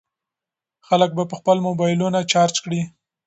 خلک به خپل موبایلونه چارج کړي.